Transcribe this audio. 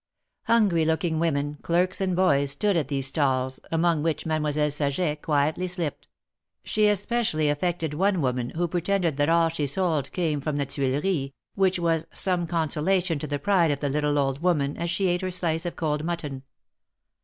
Hungry looking women, clerks and boys stood at these stalls, among which Mademoiselle Saget quietly slipped. She especially affected one woman, who pretended that all she sold came from the Tuileries, which was some consola tion to the pride of the little old jvoman, as she ate her slice of cold mutton.